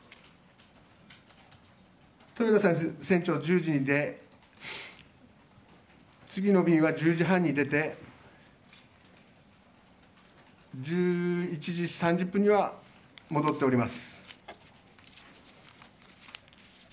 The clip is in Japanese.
豊田船長は１０時に出て次の便は１０時半に出て１１時３０分には戻っております。